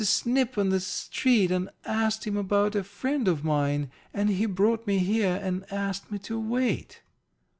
Snip on the street and asked him about a friend of mine, and he brought me here and asked me to wait."